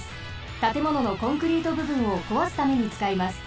たてもののコンクリートぶぶんをこわすためにつかいます。